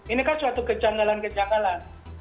ini kan suatu kecanggalan kecanggalan